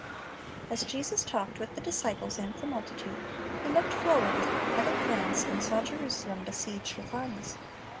As Jesus talked with the disciples and the multitude, He looked forward with prophetic glance, and saw Jerusalem besieged with armies.